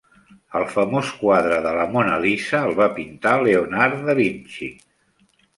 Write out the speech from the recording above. El famós quadre de la Mona Lisa el va pintar Leonardo Da Vinci.